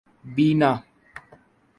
بینا